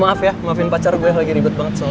maaf ya maafin pacar gue lagi ribet banget sama